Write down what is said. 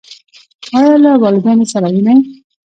ایا له والدینو سره وینئ؟